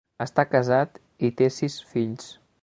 Està casat i té sis fills.